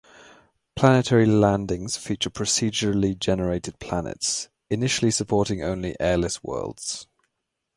Planetary landings feature procedurally generated planets, initially supporting only airless worlds.